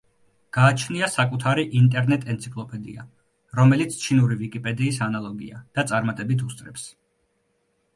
გააჩნია საკუთარი ინტერნეტ-ენციკლოპედია, რომელიც ჩინური ვიკიპედიის ანალოგია და წარმატებით უსწრებს.